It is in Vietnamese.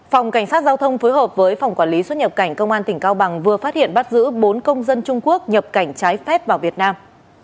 phòng cảnh sát giao thông phối hợp với phòng quản lý xuất nhập cảnh công an tỉnh cao bằng vừa phát hiện bắt giữ bốn công dân trung quốc nhập cảnh trái phép vào việt nam